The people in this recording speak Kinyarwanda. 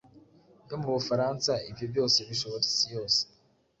yo mu Bufaransa ibyo byose bishora isi yose